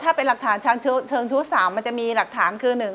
ถ้าเป็นหลักฐานเชิงชู้สาวมันจะมีหลักฐานคือ